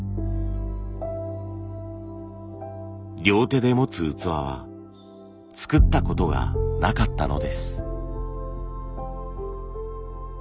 両手で持つ器は作ったことがなかったのです。